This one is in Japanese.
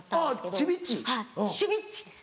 シュビッチです。